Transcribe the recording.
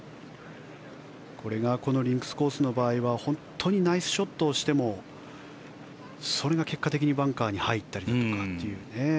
これがこのリンクスコースの場合は本当にナイスショットをしてもそれが結果的にバンカーに入ったりだとか。